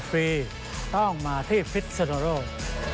ฟรีต้องมาที่พิศนุโลก